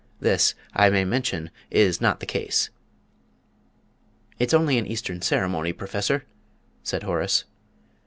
This, I may mention, is not the case." "It's only an Eastern ceremony, Professor," said Horace.